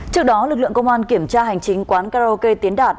trước đó lực lượng công an kiểm tra hành chính quán karaoke tiến đạt